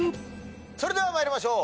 それでは参りましょう。